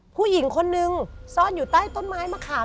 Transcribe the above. ผู้หญิงคนนึงซ่อนอยู่ใต้ต้นไม้มะขาม